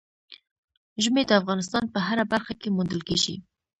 ژمی د افغانستان په هره برخه کې موندل کېږي.